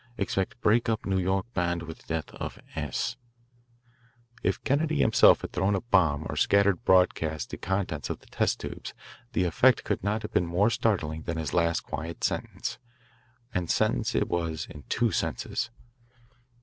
Expect break up New York band with death of S." If Kennedy himself had thrown a bomb or scattered broadcast the contents of the test tubes, the effect could not have been more startling than his last quiet sentence and sentence it was in two senses.